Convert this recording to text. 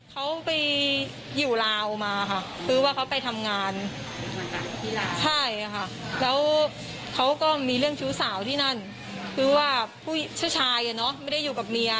ใช่ค่ะแล้วเขาก็มีเรื่องชิ้นสาวที่นั่นคือว่าผู้ชายเนอะไม่ได้อยู่กับเมีย